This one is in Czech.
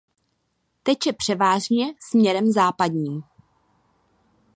Teče převážně směrem západním.